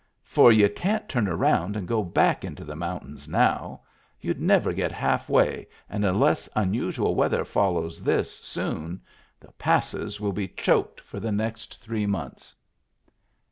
For you can't turn around and go back into the moimtains now; you'd never get halfway, and unless unusual weather follows this soon, the passes will be choked for the next three months."